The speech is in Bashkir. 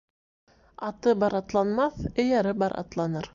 Аты бар атланмаҫ, эйәре бар атланыр.